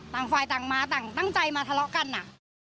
ต่างฝ่ายต่างมาต่างตั้งใจมาทะเลาะกันอ่ะ